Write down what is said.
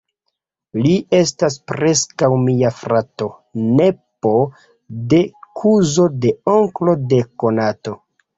Li estas preskaŭ mia frato: nepo de kuzo de onklo de konato.